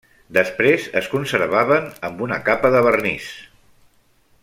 Després es conservaven amb una capa de vernís.